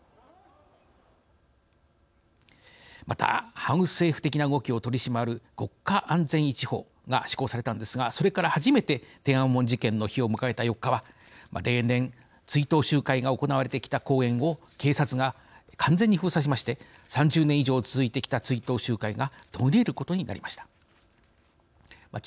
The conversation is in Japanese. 反政府的な動きを取り締まる国家安全維持法が施行されたんですがそれから初めて天安門事件の日を迎えた４日は例年、追悼集会が行われてきた公園を警察が完全に封鎖しまして３０年以上続いてきた追悼集会が途切れることになりました。